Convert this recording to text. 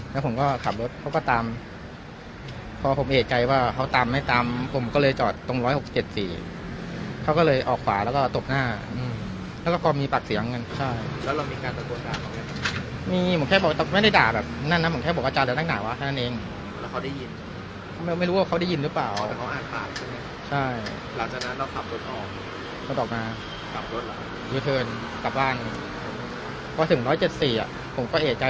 มันมีความรู้สึกว่ามันมีความรู้สึกว่ามันมีความรู้สึกว่ามันมีความรู้สึกว่ามันมีความรู้สึกว่ามันมีความรู้สึกว่ามันมีความรู้สึกว่ามันมีความรู้สึกว่ามันมีความรู้สึกว่ามันมีความรู้สึกว่ามันมีความรู้สึกว่ามันมีความรู้สึกว่ามันมีความรู้สึกว่า